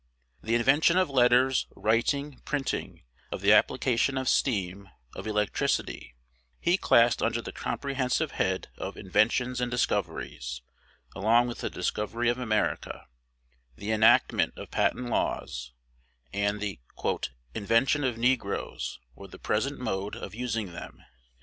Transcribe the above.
The invention of letters, writing, printing, of the application of steam, of electricity, he classed under the comprehensive head of "inventions and discoveries," along with the discovery of America, the enactment of patent laws, and the "invention of negroes, or the present mode of using them."